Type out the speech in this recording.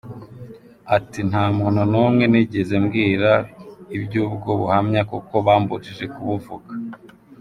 Ati "Nta muntu n’umwe nigeze mbwira iby’ubwo buhamya kuko bambujije kubuvuga.